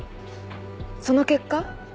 その結果？